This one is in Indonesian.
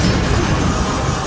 aku akan menang